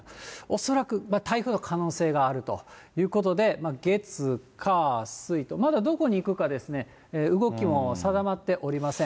恐らく台風の可能性があるということで、月、火、水とまだどこに行くか、動きも定まっておりません。